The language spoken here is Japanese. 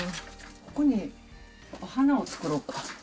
ここにお花を作ろうか。